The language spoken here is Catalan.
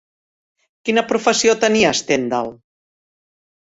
Quina professió tenia Stendhal?